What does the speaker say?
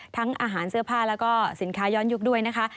อาหารเสื้อผ้าแล้วก็สินค้าย้อนยุคด้วยนะคะ